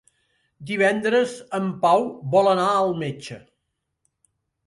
Divendres en Pau vol anar al metge.